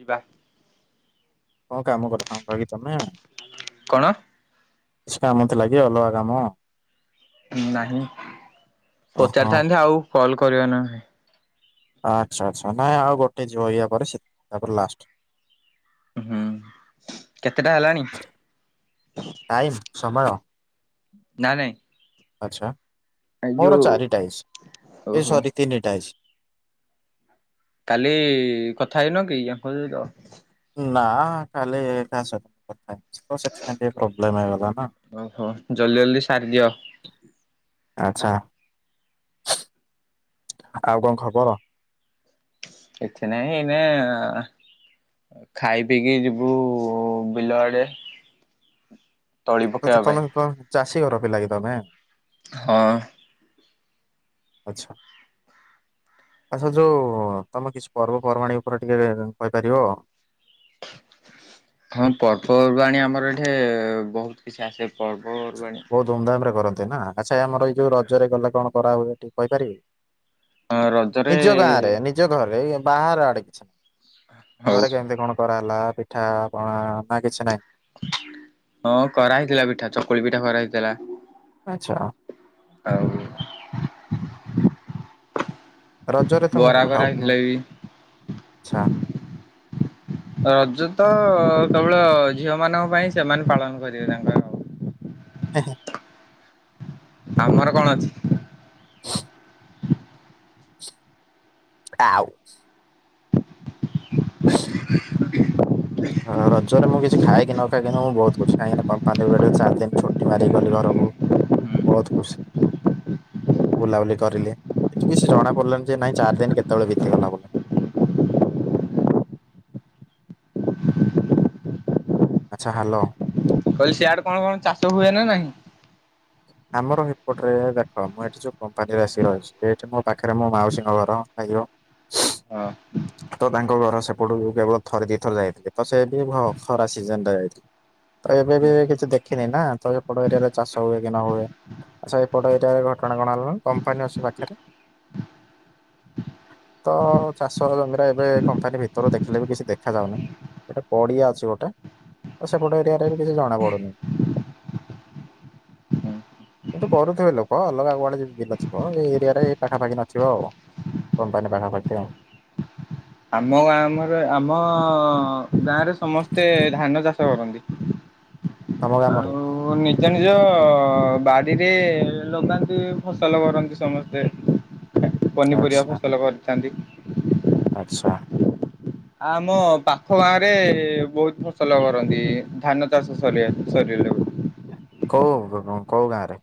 ଯିବା। କଣ କାମ କରିଥାନ୍ତ କି ତମେ? କଣ? କିଛି କାମ ଥିଲା କି ଅଲଗା କାମ? ନାହିଁ ଓହୋ ପଚାରିଥାନ୍ତି ଆଉ କଲ କରିବା ନା ନାଇ? ଆଚ୍ଛା ଆଚ୍ଛା ନାଇଁ ଆଉ ଗୋଟେ ଯିବ ଇଆ ପରେ ସେ ତାପରେ ଲାଷ୍ଟ। ହୁଁ କେତେଟା ହେଲାଣି? ଟାଇମ ସମୟ। ନାଇ ନାଇ। ଆଚ୍ଛା ମୋର ଚାରିଟା ହେଇଛି ଏ ଓହୋ ସରି ତିନିଟା ହେଇଛି। କାଲି କଥା ହେଇନୁ କି ୟାଙ୍କ ସହିତ? ନା କାଲି କାହା ସହ କଥା। ଓ ସେଥି ପାଇଁ ଟିକେ ପ୍ରୋବଲେମ୍ ହେଇଗଲା ନା। ଓହୋ ଜଲ୍ଦି ଜଲ୍ଦି ସାରିଦିଅ ଆଚ୍ଛା ଆଉ କଣ ଖବର? କିଛି ନାଇ ଏଇନେ ଆଁ। ଖାଇ ପିଇକି ଯିବୁ ବିଲ ଆଡେ। ତଳି ଆଚ୍ଛା ପକେଇବା ପାଇଁ ତମେ ତମ ଚାଷୀ ଘର ପିଲାକି ତମେ? ହଁ। ଆଚ୍ଛା। ଆଚ୍ଛା ଯୋଉ ତମେ କିଛି ପର୍ବପର୍ବାଣୀ ଉପରେ ଟିକେ କହିପାରିବ? ହଁ ପର୍ବପର୍ବାଣି ଆମର ଏଠି ବହୁତ କିଛି ଆସେ ପର୍ବପର୍ବାଣି। ବହୁତ ଧୁମଧାମ ରେ କରନ୍ତି ନା ଆଚ୍ଛା ଆମର ଏଇ ଯୋଉ ରଜରେ ଗଲା କଣ କରା ହୁଏ ଟିକେ କହିପାରିବେ? ହଁ ରଜରେ ନିଜ ଗାଁ ରେ ନିଜ ଘରେ ଇଏ ବାହାର ଆଡେ କିଛି। ହଉ ଘରେ କେମିତି କଣ କରାହେଲା ପିଠା ପଣା ନା କିଛି ନାହିଁ। ହଁ କରାହେଇଥିଲା ପିଠା ଚକୁଳି ପିଠା କରା ହେଇଥିଲା। ଆଛା। ଆଉ ରଜରେ ତ ମୁଁ ବରା କରା ଭାବୁ ହେଥିଲା ବି। ଆଚ୍ଛା ରଜ ତ କେବଳ ଝିଅ ମାନଙ୍କ ପାଇଁ ସେମାନେ ପାଳନ କରିବେ ତାଙ୍କର। ଆଉ। ଏହେ। ଆମର କଣ ଅଛି ଆଉ। [inaudible] ରଜରେ ମୁଁ କିଛି ଖାଏ କି ନ ଖାଏ କିିନ୍ତୁ ମୁଁ ବହୁତ ଖୁସି କାହିଁକି ନା କମ୍ପାନୀରୁ ଗୋଟେ ଚାରି ଦିନ ଛୁଟି ମାରିକି ଗଲି ଘରକୁ। ବୋହୁତ୍ ଖୁସି। ବୁଲାବୁଲି କରିଲି, କିନ୍ତୁ କିଛି ଜଣା ପଡ଼ିଲାନି ଯେ ନାଇଁ ଚାରି ଦିନ କେତେବେଳେ ବିତିଗଲା ବୋଲି। ଆଚ୍ଛା ହାଲୋ। କହିଲି ସିଆଡେ କଣ କଣ ଚାଷ ହୁଏ ନା ନାହିଁ? ଆମର ହିପୋଟରେ ଦେଖ ମୁଁ ଏଠି ଯୋଉ କମ୍ପାନୀ ରେ ଆସିକି ରହିଛି ସେଇଠି ମୋ ପାଖରେ ମୋ ମାଉସୀଙ୍କ ଘର ଖାଇିବ [inaudible] ହଁ। ତ ତାଙ୍କ ଘର ସେପଟୁ କେବଳ ଥରେ ଦିଥରେ ଯାଇଥିଲେ ତ ସେ ବି ଖରା ସିଜିନିରେ ଯାଇଥିଲି। ତ ଏବେ ବି କିଛି ଦେଖିନି ନା ତ ଏପଟ ଏରିଆରେ ଚାଷ ହୁଏ କି ନ ହୁଏ। ଆଛା ଏପଟ ଏରିଆ ଘଟଣା କଣ ହେଲାଣି କମ୍ପାନୀ ଅଛି ପାଖରେ ତ ଚାଷ ଜମିରେ ଏବେ କମ୍ପାନୀ ଭିତରୁ ଦେଖିଲେ ବି କିଛି ଦେଖା ଯାଉନାହିଁ। ଗୋଟେ ପଡିଆ ଅଛି ଗୋଟେ ତ ସେପଟେ ଏରିଆ ରେ ବି କିଛି ଜଣା ପଡୁନି। କିନ୍ତୁ କରୁଥିବେ ଲୋକ ଅଲଗା କୁଆଡେ ଯ ବିଲ ଥିବ ଏଇ ଏରିଆରେଇ ପାଖାପାଖି ନଥିବ ଆଉ। କମ୍ପାନୀ ପାଖା ପାଖି ଟିକେ। ଆମ ଗାଁମର ଆମ ଗାଁରେ ସମସ୍ତେ ଧାନ ଚାଷ କରନ୍ତି। ତମ ଗ୍ରାମରେ ଆଉ ନିଜ ନିଜ ବାଡ଼ିରେ ଲଗାନ୍ତି ଫସଲ କରନ୍ତି ସମସ୍ତେ। ପନିପରିବା ଆଚ୍ଛା ଫସଲ କରିଥାନ୍ତି। ଆଚ୍ଛା। ଆମ ପାଖ ଗାଁ ରେ ବହୁତ ଫସଲ କରନ୍ତି ଧାନ ଚାଷ ସରି ସରି ଲୋକ କୋଉ କୋଉ ଗାଁରେ?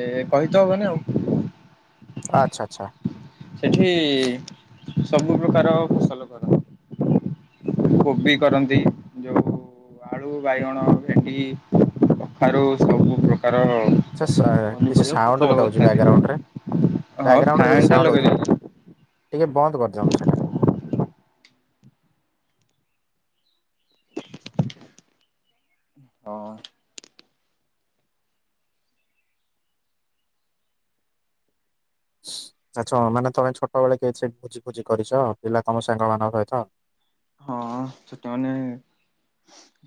ଏ କହିଥ ହବନି ଆଉ। ଆଚ୍ଛା ଆଚ୍ଛା। ସେଠି ସବୁ ପ୍ରକାର ଫସଲ କରନ୍ତି। କୋବି କରନ୍ତି ଯୋଉ ଆଳୁ ବାଇଗଣ ଭେଣ୍ଡି କଖାରୁ ସବୁ ପ୍ରକାର ଆଛ କିଛି ପନିପରିବା ସାଉଣ୍ଡ ଫସଲ ଗୋଟେ ଅଉଛି କରିଥାନ୍ତି ବ୍ୟାଗ୍ରାଉଣ୍ଡ ରେ ହଁ ବ୍ୟାଗ୍ରାଉଣ୍ଡରେ କିଛି ଫ୍ୟାନ୍ ଟା ସାଉଣ୍ଡ ଲଗେଇ ଅଛି ଦେଇଛି ଟିକେ ବନ୍ଦ କରିଦଅନ୍ତ ସେଟା। ହଁ। ଆଛାମାନେ ତମେ ଛୋଟ ବେଳେ କି ସେ ଭୋଜି ଭୋଜି କରିଛ ପିଲା ତମ ସାଙ୍ଗ ମାନଙ୍କ ସହିତ? ହଁ ଛୋଟ ମାନେ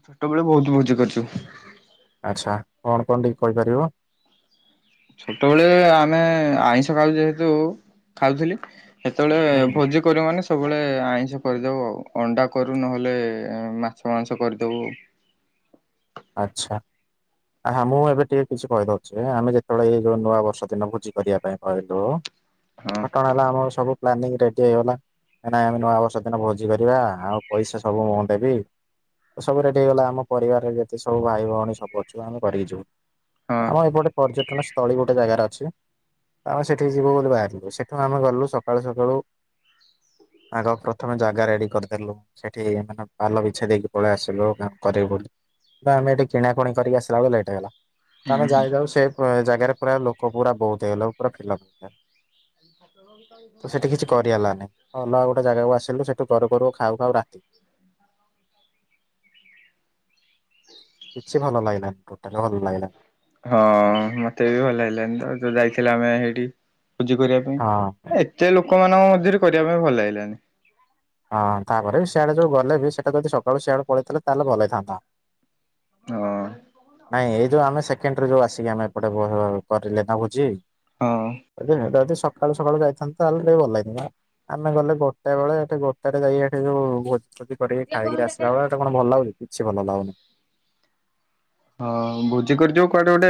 ଛୋଟବେଳେ ବୋହୁତ୍ ଭୋଜି କରିଛୁ। ଆଚ୍ଛା କଣ କଣ ଟିକେ କହିପାରିବ? ଛୋଟବେଳେ ଆମେ ଆଇଁଷ କାଉ ଯେହେତୁ ଖାଉଥିଲି ସେତେବେଳେ ହୁଁ ହୁଁ ଭୋଜି କର ମାନେ ସବୁବେଳେ ଆଇଁଷ କରିଦଉ ଆଉ ଅଣ୍ଡା କରୁ ନହେଲେ ମାଛ ମାଂସ କରିଦବୁ। ଆଚ୍ଛା ଆ ମୁଁ ଏବେ ଟିକେ କିଛି କହିଦଉଛି ଆମେ ଯେତେବେଳେ ଏଇ ଯୋଉ ନୂଆ ବର୍ଷ ଦିନ ଭୋଜି କରିବା ପାଇଁ କହିଲୁ ହଁ କଟଣ ହେଲା ଆମର ସବୁ ପ୍ଲାନିଂ ରେଡି ହେଇଗଲା ଏ ନାଇଁ ଆମେ ନୂଆବର୍ଷ ଦିନ ଭୋଜି କରିବା ଆଉ ପଇସା ସବୁ ମୁ ଦେବି। ସବୁ ରେଡି ହେଇଗଲା ଆମ ପରିବାରରେ ଯେତେ ସବୁ ଭାଇ ଭଉଣୀ ସବୁ ଅଛୁ ଆମେ କରିକି ଯିବୁ। ହଁ ଆମ ଏପଟେ ପର୍ଯ୍ୟଟନ ସ୍ଥଳୀ ଗୋଟେ ଜାଗାରେ ଅଛି। ଆମେ ସେଠିକି ଯିବୁ ବୋଲି ବାହାରିଲୁ। ସେଠୁ ଆମେ ଗଲୁ ସକାଳୁ ସକାଳୁ ଆଗ ପ୍ରଥମେ ଜାଗା ରେଡି କରିଦେଲୁ। ସେଠି ମାନେ ପାଲ ବିଛେଇ ଦେଇକି ପଳେଇ ଆସିଲୁ କ୍ୟାମ୍ପ କରିବୁ ବୋଲି। ଆମେ ଏଠି କିଣାକୁଣି କରିକି ଆସିଲା ବେଳକୁ ଲେଟ ହେଇଗଲା। ତ ଆମେ ହୁଁ ହୁଁ ଯାଇଥାଉ ସେ ପ୍ ଜାଗାରେ ପୁରା ଲୋକ ପୁରା ବହୁତ ହେଇଗଲେ ପୁରା ଫିଲଅପ ପୁରା। ତ ସେଠି କିଛି କରି ହେଲାନି। ଅଲଗା ଗୋଟେ ଯାଗାକୁ ଆସିଲୁ ସେଠୁ କରୁ କରୁ ଖାଉ ଖାଉ ରାତି। କିଛି ଭଲ ଲାଗିଲାନି ଟୋଟାଲେ ଭଲ ଲାଗିଲାନି। ହଁ ମତେ ବି ଭଲ ଲାଗିଲାନି ତ ଯୋଉ ଯାଇଥିଲା ଆମେ ହେଇଠି ଭୋଜି କରିବା ହଁ। ଏତେ ଲୋକମାନଙ୍କ ମଧ୍ୟରେ କରିବା ପାଇଁ ଭଲ ଲାଗିଲାନି। ହଁ ତାପରେ ବି ସିଆଡେ ଯୋଉ ଗଲେ ବି ସେଟା ଯଦି ସକାଳୁ ସିଆଡେ ପଳେଇଥିଲେ ତାହେଲେ ଭଲ ହେଇଥାନ୍ତା। ହଁ ନାଇଁ ଏଇ ଯୋଉ ଆମେ ସେକେଣ୍ଡରେ ଯୋଉ ଆସିକି ଆମେ ଏପଟେ ଭ କରିଲେ ନା ଭୋଜି ହଁ ଯେ ହେଲାଯେ ସବ୍ ସକାଳୁ ସକାଳୁ ଯାଇଥାନ୍ତେ ତାହେଲେ ଟିକେ ଭଲ ହେଇ ଆମେ ଗଲେ ଗୋଟେ ବେଳେ ଏଠି ଗୋଟେରେ ଯାଇକି ହେଠୀ ଯୋଉ ଉଠି ପଡ଼ିକି ଖାଇକି ଆସିଲା ଭଳିଆ ଏଟା କଣ ଭଲ ଲାଗୁଛି କିଛି ଭଲ ଲାଗୁନି। ହଁ ଭୋଜି କରି ଯିବ କୁଆଡେ ଗୋଟେ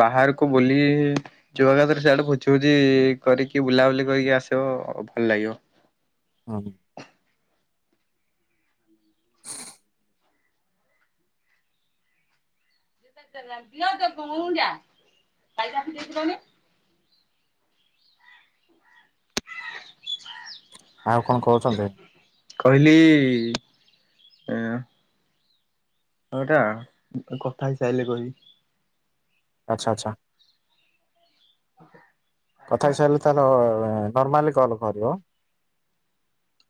ବାହାରକୁ ବୁଲି ଯିବା ଏକାଥରେ ସିଆଡେ ଭୋଜି ଭୋଜି କରିକି ବୁଲାବୁଲି କରିକି ଆସିବ ଭଲ ଲାଗିବ। ହଁ। [inaudible] ଆଉ କଣ କହୁଚନ୍ତି? କହିଲି ହଁଟା କଥା ହେଇସାରିଲେ କହିବି। ଆଛା ଆଛା। କଥା ହେଇସାରିଲେ ତାହେଲେ ନର୍ମାଲି କଲ୍ କରିବ।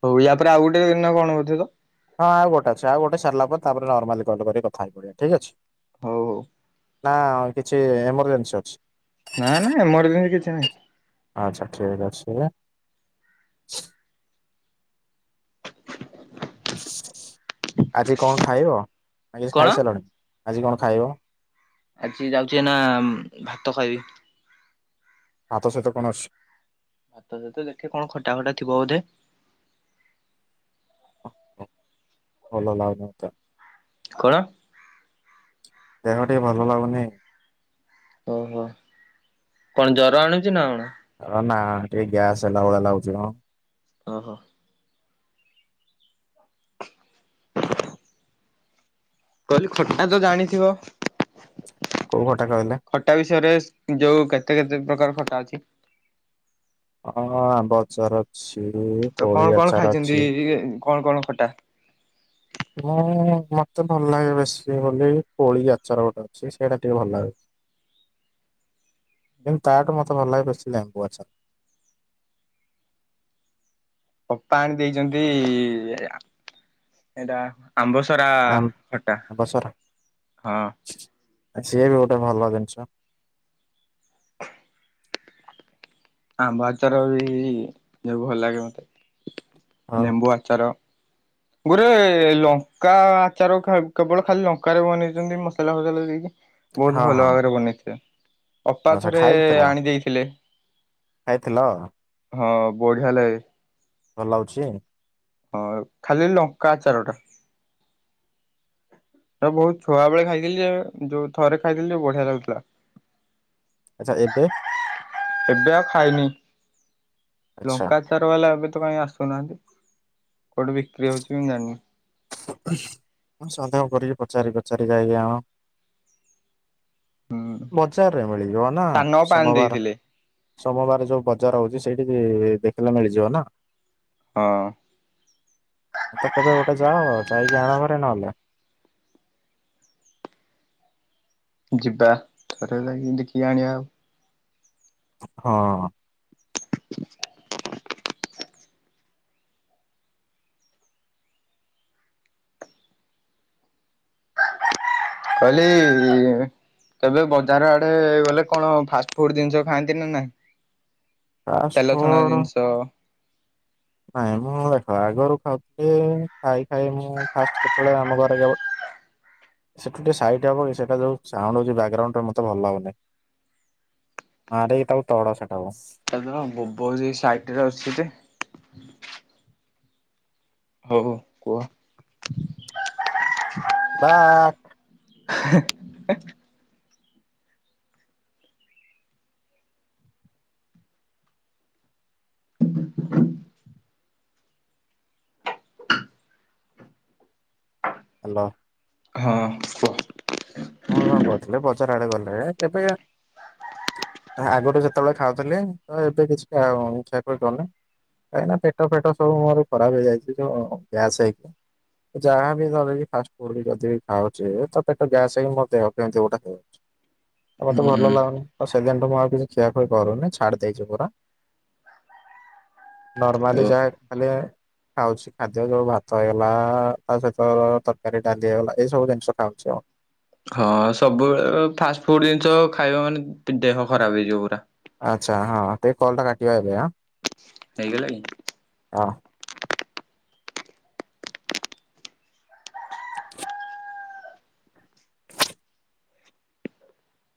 ହଉ ୟା ପରେ ଆଉ ଗୋଟେ ନା କଣ ଗୋଟେ ତ? ହଁ ଆଉ ଗୋଟେ ଅଛି ଆଉ ଗୋଟେ ସାରିଲା ପରେ ତାରେ ନର୍ମାଲି କଲ କରିିକି କଥା ହେଇ ପଡିବା ଠିକ ଅଛି। ହୋଉ ହୋଉ। ନା କିଛି ଏମରଜେନ୍ସି ଅଛି? ନା ନା ଏମରଜେନ୍ସି କିଛି ନାହିଁ। ଆଚ୍ଛା ଠିକ୍ ଅଛି। ଆଜି କଣ ଖାଇବ ଆ କିଛି କଣ ଖାଇସାରିଲଣି ଆଜି କଣ ଖାଇବ? ଆଜି ଯାଉଛି ଏଇନା ଭାତ ଖାଇବି। ଭାତ ସହିତ କଣ ଅଛି? ଭାତ ସହୀତ ଦେଖେ କଣ ଖଟା ଫଟା ଥିବ ବୋଧେ। ଭଲ ଲାଗୁନି ତ। କଣ? ଦେହ ଟିକେ ଭଲ ଲାଗୁନି। ଓହୋ କଣ ଜର ଆଣୁଛି ନା କଣ? ହ ନା ଟିକେ ଗ୍ୟାସ ହେଲା ଭଳିଆ ଲାଗୁଛି ମ। ଓହୋ। କହିଲି ଖଟା ତ ଜାଣିଥିବ? କୋଉ ଖଟା କହିଲେ? ଖଟା ବିଷୟରେ ସ ଯେଉଁ କେତେ କେତେ ପ୍ରକାର ଖଟା ଅଛି? ହଁ ଆମ୍ବ ଆଚାର ଅଛି, କୋଳି ଆଚାର ଅଛି। ଟିକେ କଣ କଣ ଖଟା? ମୁଁ ମତେ ଭଲ ଲାଗେ ବେଶୀ ବୋଲି କୋଳି ଆଚର ଗୋଟେ ଅଛି ସେଇଟା ଟିକେ ଭଲ ଲାଗେ। କିନ୍ତୁ ତା ଠୁ ମତେ ଭଲ ଲାଗେ ବେଶି ଲେମ୍ବୁ ଆଚାର। ଅପା ଆଣି ଦେଇଛନ୍ତି ଏଇଟା ଆମ୍ବ ସ ସରା ଆମ୍ ଖଟା ଆମ୍ବ ସରା ହଁ। ସିଏ ବି ଗୋଟେ ଭଲ ଜିନିଷ। ଆମ୍ବ ଆଚାର ବି ଭଲ ଲାଗେ ମୋତେ ହଁ ନେମ୍ବୁ ଆଚାର ଗୋଟ ଲଙ୍କା ଆଚାର କେବଳ ଖାଲି ଲଙ୍କାରେ ବନେଇଛନ୍ତି ମସଲା ଫସଲା ଦେଇକି ବହୁତ୍ ହଁ ଭଲ ହଁ। ଭାବରେ ବନେଇଥିଲେ ଅପା ଆଚ୍ଛା ଥରେ ଖାଇଥିଲ ଆଣି ଦେଇଥିଲେ। ଖାଇଥିଲ ଆଉ। ହଁ ବଢ଼ିଆ ଲାଗେ। ଭଲ ଲାଗୁଛି? ହଁ ଖାଲି ଲଙ୍କା ଆଚାର ଟା। ତ ବହୁତ ଛୁଆ ବେଳେ ଖାଇଥିଲି ଯେ ଯୋଉ ଥରେ ଖାଇଥିଲି ଯେ ବଢ଼ିଆ ଲାଗୁଥିଲା। ଆଚ୍ଛା ଏବେ? ଏବେ ଆଉ ଖାଇନି ଆଚ୍ଛା। ଲଙ୍କା ଆ ଚାର ବାଲା ଏବେ ତ କାଇଁ ଆସୁନାହାନ୍ତି। କୋଉଠି ବିକ୍ରି ହଉଛି ମୁଁ ଜାଣିନି। ହଁ ସନ୍ଦେହ କରିକି ପଚାରି ପଚାରି ଯାଇକି ଆଣ। ହୁଁ। ବଜାରରେ ମିଳିଯିବ ନା ସାନ ଅପା ଆଣି ସୋମବାର ଦେଇଥିଲେ ସୋମବାର ଯୋଉ ବଜାର ହଉଛି ସେଇଠି କି ଦେଖିଲେ ମିଳିଯିବ ନା? ହଁ। ତ କେବେ ଗୋଟେ ଯାଅଉ ଯାଇକି ଆଣ ଘରେ ନହେଲେ ଯିବା ଥରେ ହେଲେ ଦେଖି ଆଣିବା ଆଉ। ହଁ। କହିଲି ଇି ତବେ ବଜାର ଆଡେ ଗଲେ କଣ ଫାଷ୍ଟ ଫୁଡ ଜିନିଷ ଖାଆନ୍ତିନି ନା? ତେଲ ଛଣା ପାସ୍ପୋର୍ଡ ଜିନିଷ ନାଇଁ ମୁଁ ଦେଖ ଆଗରୁ ଖାଉଥିଲି ଖାଇ ଖାଇ ମୁଁ ଫାଷ୍ଟ୍ ଯେତେବେଳେ ଆମ ଘରେ ହ ସେଠୁ ଟିକେ ସାଇଟ୍ ହବକି କି ସେଟା ଯୋଉ ସାଉଣ୍ଡ୍ ହଉଚି ବ୍ୟାକ୍ ଗ୍ରାଉଣ୍ଡ ଟା ମତେ ଭଲ ଲାଗୁନି ଆରେଇ ତାକୁ ତଡ଼ ସେଟାକୁ ତ ଭୋବଉଚି ସାଇଟ୍ ରେ ଅଛି ଯେ ହଉ କୁହ। ବା [unintelligible] [inaudible] ହାଲୋ। ହଁ କୁହ? ହଁ କଣ କହୁଥିଲେ ବଜାର ଆଡେ ଗଲେ କେବେ ଆଗରୁ ଯେତେବେଳେ ଖାଉଥିଲେ ତ ଏବେ କିଛି ଖିଆ ହଉନି ଖିଆ ପିଆ କରୁନି କାହିଁକି ନା ପେଟ ଫେଟ ସବୁ ମୋର ଖରାପ୍ ହେଇଯାଇଛି ଯୋଉ ଗ୍ୟାସ୍ ହେଇକି। ଯାହା ବି ଧର ଫାଷ୍ଟ ଫୁଡ୍ ଯଦି ବି ଖାଉଛି ତ ଗ୍ୟାସ୍ ସେ ମୋ ଦେହ କେମିତି ଗୋଟା ହେଇଯାଉଛି ଆଉ ମତେ ହୁଁ ଭଲ ଲାଗୁନି ଆଉ ସେଦିନୁଠୁ ମୁଁ ଆଉ କିଛିି ଖିଆଖୁଇ କରୁନି ଛାଡ଼ି ଦେଇଛି ପୁରା। ନର୍ମଲି ଓ ଯାଏ ଖାଲି ଖାଉଛି ଖାଦ୍ୟ ଯୋଉ ଭାତ ହେଇଗଲା ତା ସହିତ ତରକାରୀ ଡାଲି ହେଇଗଲା ଏଇ ସବୁ ଜିନିଷ ଖାଉଛି ଆଉ। ହଁ ସବୁବେଳେ ଫାଷ୍ଟ୍ ଫୁଡ଼୍ ଜିନିଷ ଖାଇବା ମାନେ ଦେହ ଖରାପ ହେଇଯିବ ପୁରା। ଆଚ୍ଛା ହଁ ତ କଲ୍ ଟା କାଟିବା ଏବେ ଆଁ ହେଇଗଲା କି? ହଁ